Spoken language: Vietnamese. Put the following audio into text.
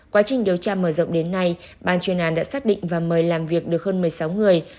quá trình điều tra mở rộng đến nay ban chuyên án đã xác định và mời làm việc được hơn một mươi sáu người